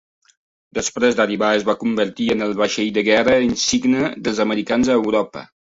Després d'arribar, es va convertir en el vaixell de guerra insígnia dels americans a Europa.